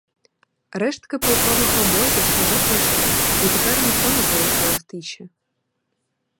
Рештки полкових обозів уже пройшли, і тепер ніхто не порушував тиші.